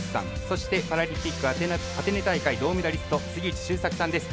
そしてパラリンピックアテネ大会銅メダリスト、杉内周作さんです。